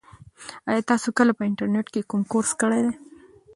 ایا تاسي کله په انټرنيټ کې کوم کورس کړی دی؟